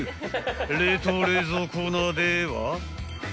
冷凍冷蔵コーナーでは］